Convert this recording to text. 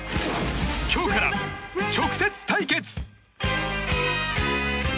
今日から直接対決。